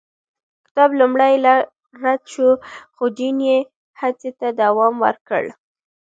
کتاب لومړی رد شو، خو جین یې هڅې ته دوام ورکړ.